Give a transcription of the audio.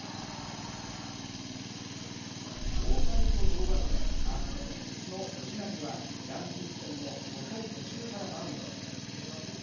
大谷と同学年アスレティックスの藤浪はヤンキース戦の５回途中からマウンドへ。